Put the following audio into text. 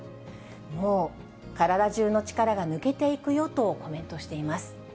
もう、体中の力が抜けていくよとコメントしています。